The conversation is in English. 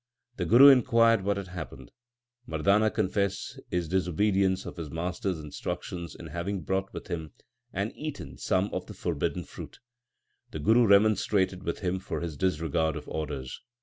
The Guru inquired what had happened. Mardana confessed his dis obedience of his master s instructions in having brought with him and eaten some of the forbidden fruit. The Guru remonstrated with him for his disregard of orders.